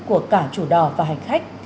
của cả chủ đò và hành khách